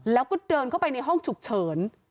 แล้วก็เดินเข้าไปในห้องฉุกเฉิน